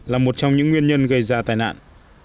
là một trong những nguyên nhân gây ra tai nạn